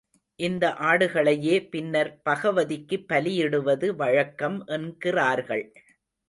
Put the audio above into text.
இந்த ஆடுகளையே பின்னர் பகவதிக்கு பலியிடுவது வழக்கம் என்கிறார்கள்.